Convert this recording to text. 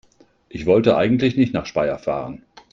Ich wollte eigentlich nicht nach Speyer fahren